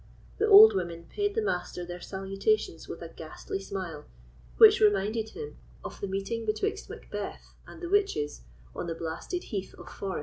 The old women paid the Master their salutations with a ghastly smile, which reminded him of the meeting betwixt Macbeth and the witches on the blasted heath of Forres.